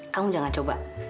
kamu jangan coba